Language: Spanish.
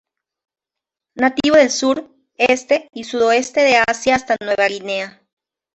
Nativo del sur, este y sudoeste de Asia hasta Nueva Guinea.